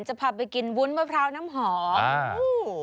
จะพาไปกินวุ้นมะพร้าวน้ำหอม